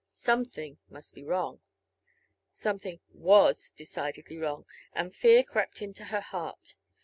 Something must be wrong. Something was decidedly wrong, and fear crept into her heart.